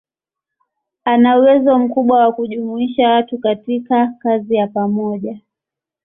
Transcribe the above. Ana uwezo mkubwa wa kujumuisha watu katika kazi ya pamoja.